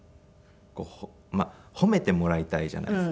褒めてもらいたいじゃないですか。